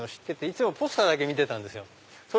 いつもポスターだけ見てたんですよ。